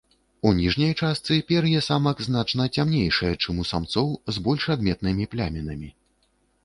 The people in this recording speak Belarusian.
У ніжняй частцы пер'е самак значна цямнейшае чым у самцоў, з больш адметнымі плямінамі.